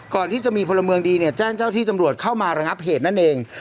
ก่อนที่จะมีพลเมืองดีเนี่ยแจ้งเจ้าที่ตำรวจเข้ามาระงับเหตุนั่นเอง